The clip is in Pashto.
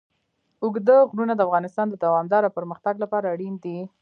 اوږده غرونه د افغانستان د دوامداره پرمختګ لپاره اړین دي.